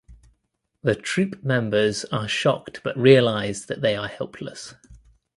The troupe members are shocked but realise that they are helpless.